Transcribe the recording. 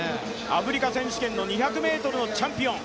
アフリカ選手権の２００ｍチャンピオン。